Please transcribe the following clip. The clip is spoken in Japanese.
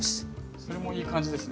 それもいい感じですね。